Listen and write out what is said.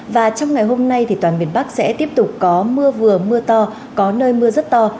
và trong ngày hôm nay thì toàn miền bắc sẽ tiếp tục có mưa vừa mưa to có nơi mưa rất to